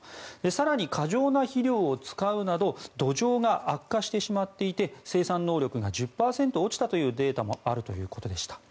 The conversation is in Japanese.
更に、過剰な肥料を使うなど土壌が悪化してしまっていて生産能力が１０％落ちたというデータもあるということでした。